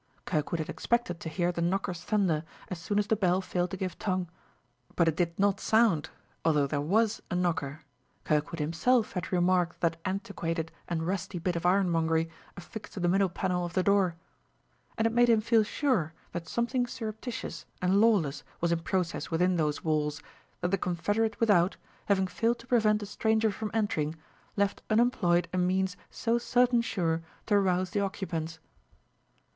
Kirkwood had expected to hear the knocker's thunder, as soon as the bell failed to give tongue; but it did not sound although there was a knocker, Kirkwood himself had remarked that antiquated and rusty bit of ironmongery affixed to the middle panel of the door. And it made him feel sure that something surreptitious and lawless was in process within those walls, that the confederate without, having failed to prevent a stranger from entering, left unemployed a means so certain sure to rouse the occupants.